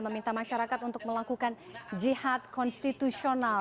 meminta masyarakat untuk melakukan jihad konstitusional